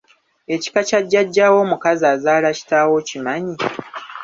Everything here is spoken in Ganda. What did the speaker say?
Ekika kya Jjaajjaawo omukazi azaala kitaawo okimanyi?